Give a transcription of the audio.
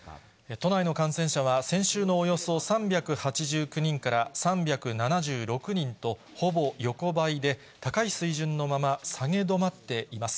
都内の感染者は、先週のおよそ３８９人から３７６人と、ほぼ横ばいで、高い水準のまま下げ止まっています。